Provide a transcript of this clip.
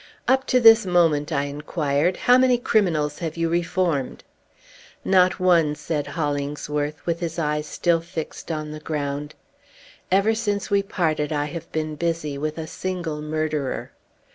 "Up to this moment," I inquired, "how many criminals have you reformed?" "Not one," said Hollingsworth, with his eyes still fixed on the ground. "Ever since we parted, I have been busy with a single murderer."